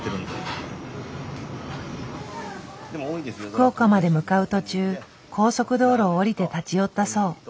福岡まで向かう途中高速道路を降りて立ち寄ったそう。